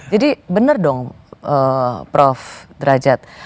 jadi bener dong prof derajat